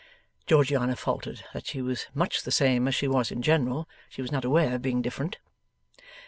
Georgiana faltered that she was much the same as she was in general; she was not aware of being different.